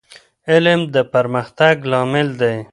علم د پرمختګ لامل دی.